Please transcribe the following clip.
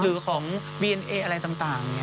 หรือของบีเอ็นเออะไรต่างอย่างนี้